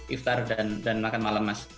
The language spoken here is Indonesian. iftar dan makan malam mas